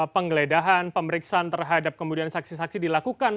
penggeledahan pemeriksaan terhadap kemudian saksi saksi dilakukan